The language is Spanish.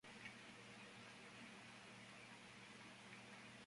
Este fue un factor determinante para la victoria española contra Tenochtitlan.